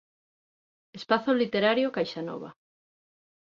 Espazo literario Caixa nova.